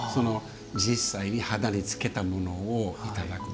実際に肌につけたものをいただく。